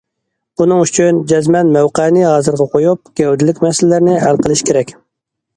بۇنىڭ ئۈچۈن، جەزمەن مەۋقەنى ھازىرغا قويۇپ، گەۋدىلىك مەسىلىلەرنى ھەل قىلىش كېرەك.